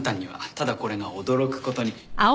ただこれが驚く事に。